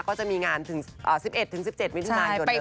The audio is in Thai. ก็จะมีงานถึง๑๑๑๗วินิตมายยนต์เดิน